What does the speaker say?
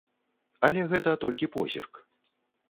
Але гэта толькі позірк.